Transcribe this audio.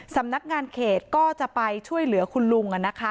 สำนักงานเขตก็จะไปช่วยเหลือคุณลุง